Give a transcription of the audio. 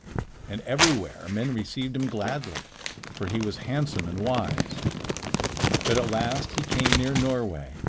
And everywhere men received him gladly; for he was handsome and wise. But at last he came near Norway.